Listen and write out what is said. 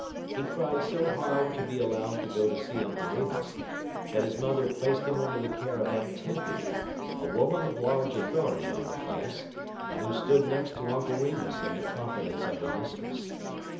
He cried so hard to be allowed to go to see Uncle Remus that his mother placed him under the care of Aunt Tempy, a woman of large authority on the place, and who stood next to Uncle Remus in the confidence of her mistress.